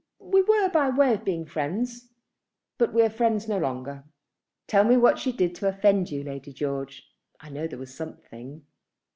We were by way of being friends; but we are friends no longer." "Tell me what she did to offend you, Lady George? I know there was something."